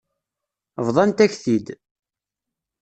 Bḍant-ak-t-id.